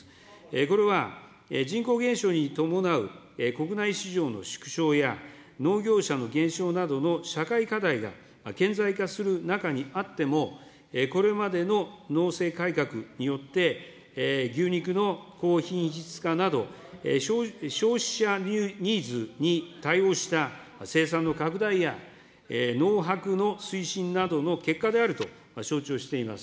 これは人口減少に伴う国内市場の縮小や、農業者の減少などの社会課題が顕在化する中にあっても、これまでの農政改革によって、牛肉の高品質化など、消費者ニーズに対応した生産の拡大や、のうはくの推進などの結果であると承知をしています。